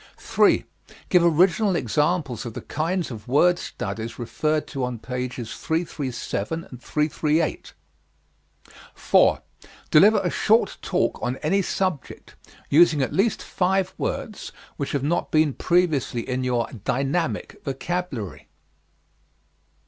3. Give original examples of the kinds of word studies referred to on pages 337 and 338. 4. Deliver a short talk on any subject, using at least five words which have not been previously in your "dynamic" vocabulary.